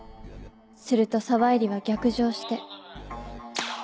すると沢入は逆上して。